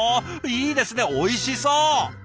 いいですねおいしそう！